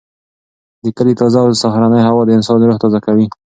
د کلي تازه او سهارنۍ هوا د انسان روح تازه کوي.